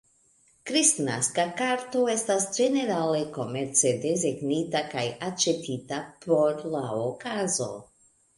Kristnaska karto estas ĝenerale komerce desegnita kaj aĉetita por la okazo.